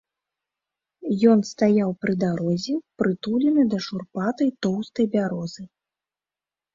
Ён стаяў пры дарозе, прытулены да шурпатай тоўстай бярозы.